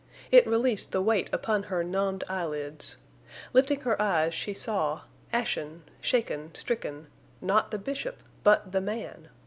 It released the weight upon her numbed eyelids. Lifting her eyes she saw—ashen, shaken, stricken—not the Bishop but the man!